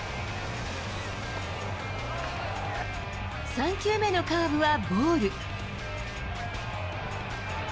３球目のカーブはボール。